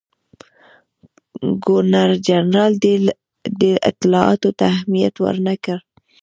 ګورنرجنرال دې اطلاعاتو ته اهمیت ورنه کړ.